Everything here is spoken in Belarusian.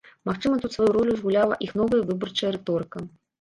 Магчыма тут сваю ролю згуляла іх новая выбарчая рыторыка.